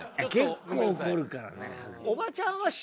結構怒るからね。